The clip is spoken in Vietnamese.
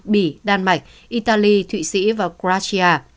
bỉ đan mạch italy thụy sĩ và quảng độ